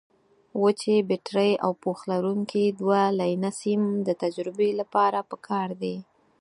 وچې بټرۍ او پوښ لرونکي دوه لینه سیم د تجربې لپاره پکار دي.